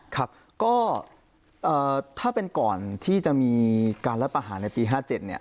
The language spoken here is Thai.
ครับก็เอ่อถ้าเป็นก่อนที่จะมีการรับประหารในปีห้าเจ็ดเนี่ย